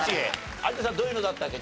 有田さんどういうのだったっけ？